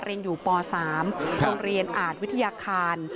เรียนอยู่ป๓โรงเรียนอาจวิทยาคาร